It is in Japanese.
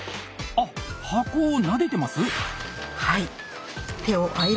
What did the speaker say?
あっ箱をなでてます？